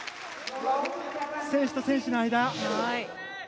選手と選手の間。